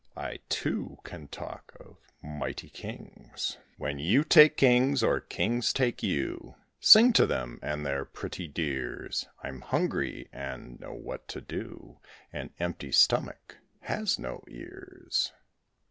I, too, can talk of mighty kings. "When you take kings or kings take you Sing to them and their pretty dears; I'm hungry, and know what to do An empty stomach has no ears."